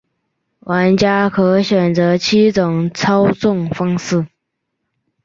玩家可选择七种操纵方式。